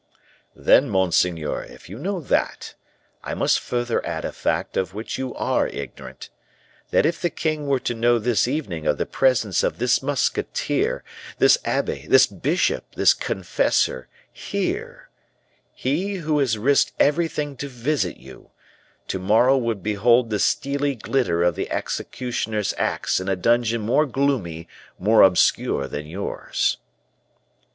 "Then, monseigneur, if you know that, I must further add a fact of which you are ignorant that if the king were to know this evening of the presence of this musketeer, this abbe, this bishop, this confessor, here he, who has risked everything to visit you, to morrow would behold the steely glitter of the executioner's axe in a dungeon more gloomy, more obscure than yours."